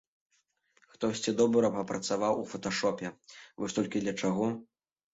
Хтосьці добра папрацаваў у фоташопе, вось толькі для чаго?